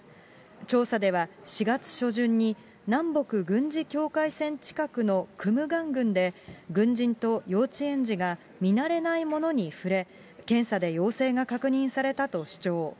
調査では４月初旬に、南北軍事境界線近くのクムガン郡で、軍人と幼稚園児が見慣れないものに触れ、検査で陽性が確認されたと主張。